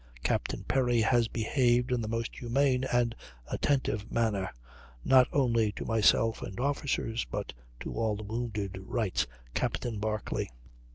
"Captain Perry has behaved in the most humane and attentive manner, not only to myself and officers, but to all the wounded," writes Captain Barclay.